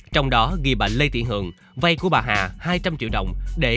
trong đó ghi bà lê thị hường vay của bà hà hai trăm linh triệu đồng để